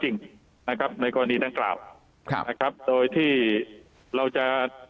จริงนะครับในกรณีดังกล่าวครับนะครับโดยที่เราจะ